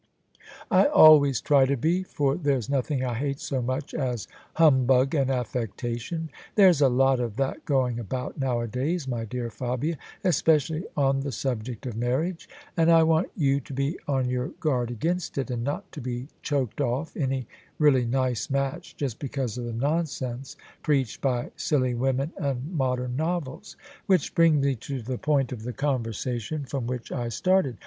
" I alwajrs try to be, for there's nothing I hate so much as humbug and affectation. There's a lot of that going about nowadays, my dear Fabia, especially on the subject of mar riage: and I want you to be on your guard against it, and not to be choked off any really nice match just because of the nonsense preached by silly women and modern novels: which brings me to the point of the conversation from which I started.